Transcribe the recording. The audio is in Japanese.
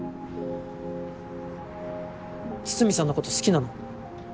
筒見さんのこと好きなの？